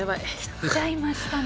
きちゃいましたね。